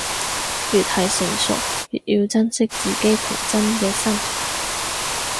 越係成熟，越要珍惜自己童真嘅心